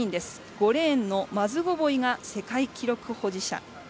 ５レーンのマズゴボイが世界記録保持者。